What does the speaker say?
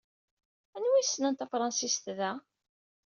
Anwa ay yessnen tafṛensist da?